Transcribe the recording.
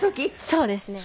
そうですね。